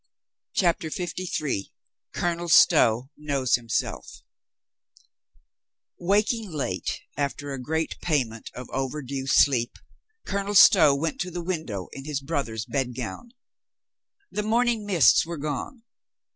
CHAPTER FIFTY THREE • COLONEL STOW KNOWS HIMSELF WAKING late, after a great payment of over due sleep, Colonel Stow went to the window in his brother's bedgown. The morning mists were gone.